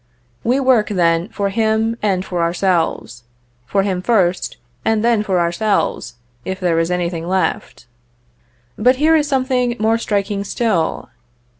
We work, then, for him and ourselves; for him first, and then for ourselves, if there is anything left. But here is something more striking still.